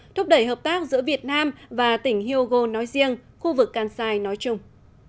thúc đẩy hợp tác giữa việt nam và tỉnh hyogo nói riêng khu vực kansai nói chung